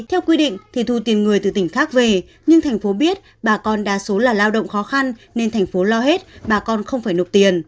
theo quy định thì thu tiền người từ tỉnh khác về nhưng thành phố biết bà con đa số là lao động khó khăn nên thành phố lo hết bà con không phải nộp tiền